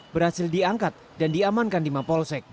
berhasil diangkat dan diamankan di mapol sek